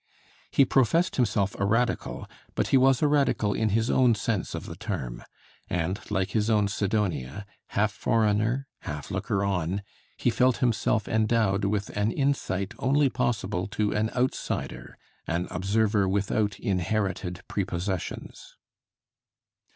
He professed himself a radical, but he was a radical in his own sense of the term; and like his own Sidonia, half foreigner, half looker on, he felt himself endowed with an insight only possible to, an outsider, an observer without inherited prepossessions.